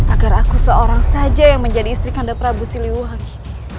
agar aku seorang saja yang menjadi istri kanda prabu siliwangi